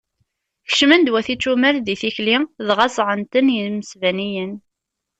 Kecmen-d wat icumar deg tikli, dɣa ẓẓɛen-ten yimesbaniyen.